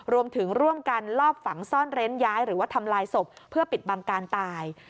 รวมถึงร่วมกันลอบฝังซ่อนเร้นย้ายหรือว่าทำลายศพเพื่อปิดบังการตาย